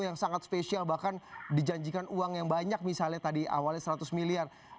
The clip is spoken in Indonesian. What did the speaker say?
yang sangat spesial bahkan dijanjikan uang yang banyak misalnya tadi awalnya seratus miliar